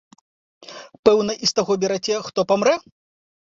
Пэўна і з таго бераце, хто памрэ?